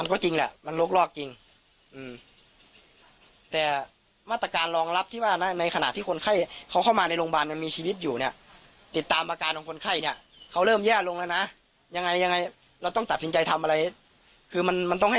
สนราชบุรณะพาพนักงานสอบสวนสนราชบุรณะพาพนักงานสอบสวนสนราชบุรณะพาพนักงานสอบสวนสนราชบุรณะพาพนักงานสอบสวนสนราชบุรณะพาพนักงานสอบสวนสนราชบุรณะพาพนักงานสอบสวนสนราชบุรณะพาพนักงานสอบสวนสนราชบุรณะพาพนักงานสอบสวนสนรา